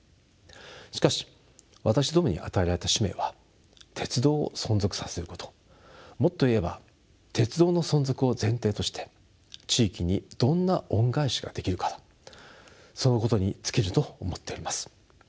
しかし私どもに与えられた使命は鉄道を存続させることもっと言えば鉄道の存続を前提として地域にどんな恩返しができるかそのことに尽きると思っております。